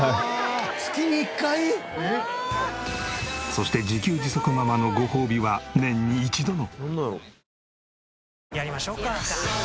そして自給自足ママのごほうびは年に１度の。